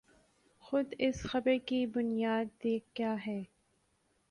خر اس خبر کی بنیاد کیا ہے؟